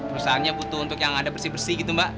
perusahaannya butuh untuk yang ada bersih bersih gitu mbak